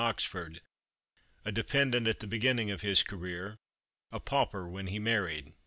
243 Oxford — a dependent at the beginning of his career, a pauper when he married.